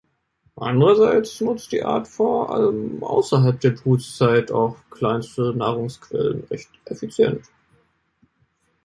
Andererseits nutzt die Art vor allem außerhalb der Brutzeit auch kleinste Nahrungsquellen recht effizient.